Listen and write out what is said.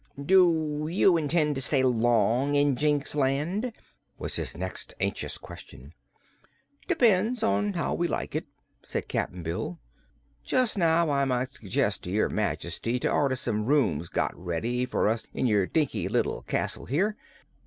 "Do you intend to stay long in Jinxland?" was his next anxious question. "Depends on how we like it," said Cap'n Bill. "Just now I might suggest to your Majesty to order some rooms got ready for us in your dinky little castle here.